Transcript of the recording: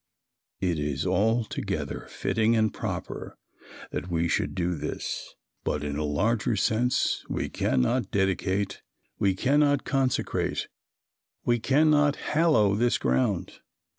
It is altogether fitting and proper that we should do this. But in a larger sense we cannot dedicate we cannot consecrate we cannot hallow this ground.